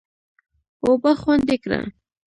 اوبه خوندي کړه.